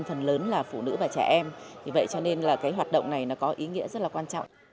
đây là một lễ phát động có ý nghĩa rất lớn